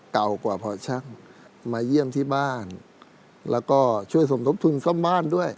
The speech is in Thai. เก่ากว่าพอช่างมาเยี่ยมที่บ้านแล้วก็ช่วยสมทบทุนซ่อมบ้านด้วย